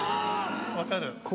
分かる。